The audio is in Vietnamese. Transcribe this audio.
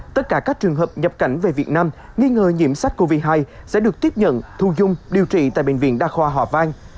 tất cả các trường hợp nhập cảnh về việt nam nghi ngờ nhiễm sắc covid một mươi chín sẽ được tiếp nhận thu dung điều trị tại bệnh viện đa khoa hòa vang